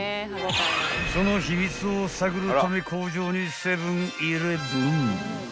［その秘密を探るため工場にセブン−イレブン］